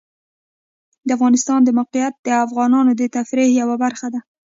د افغانستان د موقعیت د افغانانو د تفریح یوه وسیله ده.